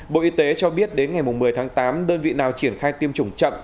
bộ y tế cho biết đến ngày một mươi tháng tám đơn vị nào triển khai tiêm chủng chậm